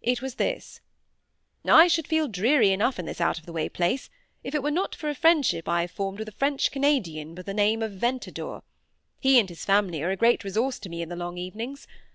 It was this:—"I should feel dreary enough in this out of the way place if it were not for a friendship I have formed with a French Canadian of the name of Ventadour. He and his family are a great resource to me in the long evenings.